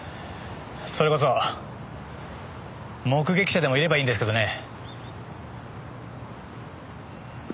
それこそ目撃者でもいればいいんですけどね。